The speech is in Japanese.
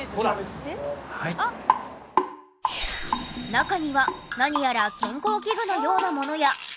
中には何やら健康器具のようなものや。